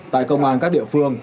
tại công an các địa phương